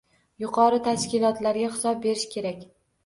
Yuqori tashkilotlarga hisob berish kerak.